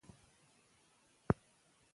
څو پاڼې ولولئ او محتوا یې وګورئ.